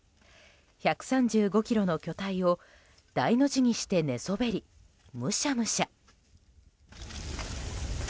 １３５ｋｇの巨体を大の字にして寝そべりむしゃむしゃ。